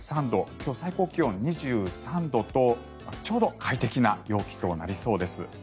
今日、最高気温２３度とちょうど快適な陽気となりそうです。